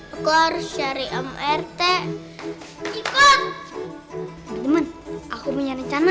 aku harus syariah rt ikut aku punya rencana